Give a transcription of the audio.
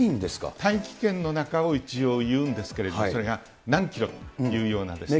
大気圏の中を一応いうんですけれども、それが何キロというようなですね。